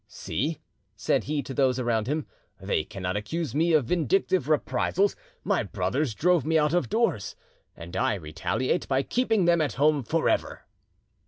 "See," said he to those around him, "they cannot accuse me of vindictive reprisals; my brothers drove me out of doors, and I retaliate by keeping them at home for ever."